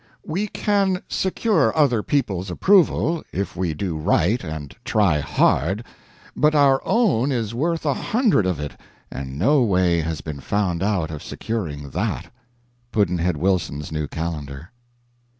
We can secure other people's approval, if we do right and try hard; but our own is worth a hundred of it, and no way has been found out of securing that. Pudd'nhead Wilson's New Calendar.